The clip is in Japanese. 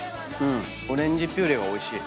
オレンジピューレおいしい。